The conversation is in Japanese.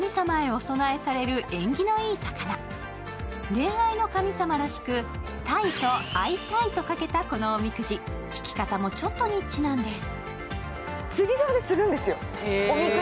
恋愛の神様らしく、鯛と会い「たい」をかけたこのおみくじ、引き方もちょっとニッチなんです。